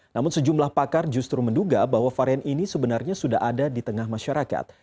namun sejumlah pakar justru menduga bahwa varian ini sebenarnya sudah ada di tengah masyarakat